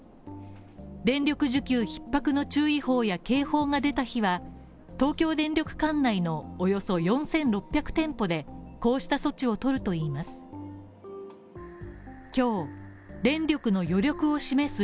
電力需給ひっ迫の注意報や警報が出た日は東京電力管内のおよそ４６００店舗でこうした措置をとるといいます。